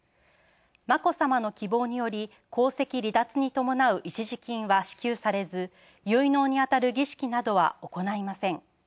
眞子さまの希望により皇籍離脱に伴う一時金は支給されず結納に当たる儀式などは行いません。